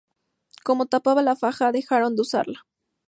Como tapaba la faja, dejaron de usarla.